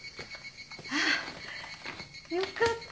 ああよかった！